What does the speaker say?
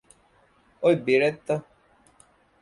އޮތް ބިރެއްތަ؟